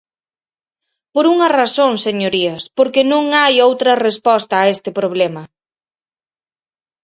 Por unha razón, señorías, porque non hai outra resposta a este problema.